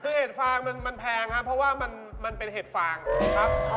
คือเห็ดฟางมันแพงครับเพราะว่ามันเป็นเห็ดฟางครับ